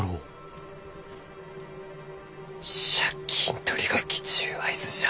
借金取りが来ちゅう合図じゃ。